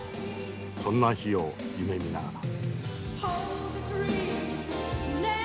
そんな日を夢みながら。